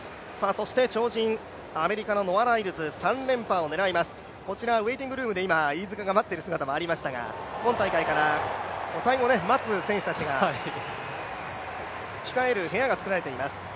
そして超人、アメリカのノア・ライルズ３連覇を狙います、こちらのウェイティングルームで、飯塚が待っている姿もありましたが、今大会から控える部屋が作られています。